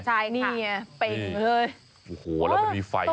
โอ้โหแล้วมันมีไฟตรงให้ท้าย